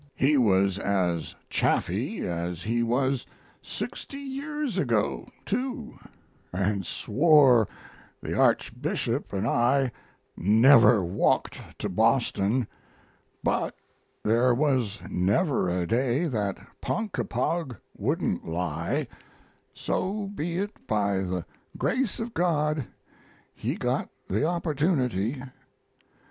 He was as chaffy as he was sixty years ago, too, and swore the Archbishop and I never walked to Boston; but there was never a day that Ponkapog wouldn't lie, so be it by the grace of God he got the opportunity.